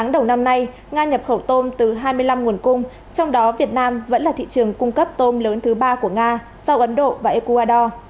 đầu năm nay nga nhập khẩu tôm từ hai mươi năm nguồn cung trong đó việt nam vẫn là thị trường cung cấp tôm lớn thứ ba của nga sau ấn độ và ecuador